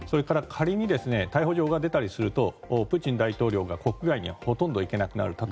借りに逮捕状が出たりするとプーチン大統領が国外にほとんど行けなくなる。